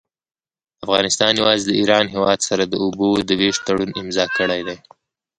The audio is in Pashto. افغانستان يوازي د ايران هيواد سره د اوبو د ويش تړون امضأ کړي دي.